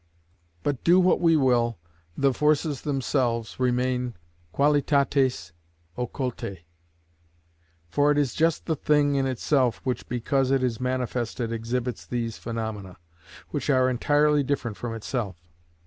But do what we will, the forces themselves remain qualitates occultæ. For it is just the thing in itself, which, because it is manifested, exhibits these phenomena, which are entirely different from itself.